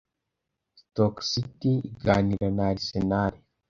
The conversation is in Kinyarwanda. Stoke City igakina na Arsenal